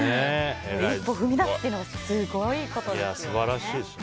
一歩踏み出すというのがすごいことですよね。